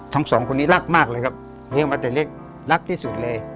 สองคนนี้รักมากเลยครับเลี้ยงมาแต่เล็กรักที่สุดเลย